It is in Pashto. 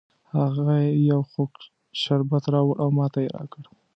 هغې یو خوږ شربت راوړ او ماته یې را کړ